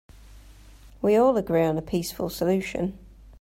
We all agree on a peaceful solution.